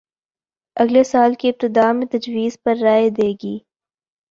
اگلے سال کی ابتدا میں تجویز پر رائے دے گی